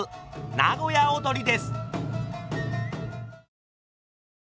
「名古屋をどり」です。